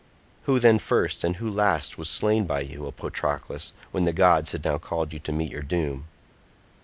Who then first, and who last, was slain by you, O Patroclus, when the gods had now called you to meet your doom?